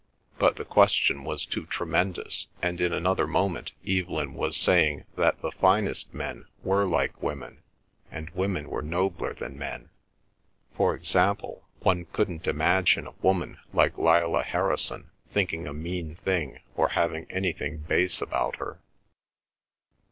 but the question was too tremendous, and in another moment Evelyn was saying that the finest men were like women, and women were nobler than men—for example, one couldn't imagine a woman like Lillah Harrison thinking a mean thing or having anything base about her.